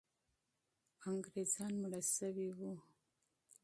انګریزان مړه سوي وو.